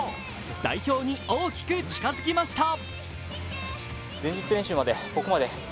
代表に大きく近づきました。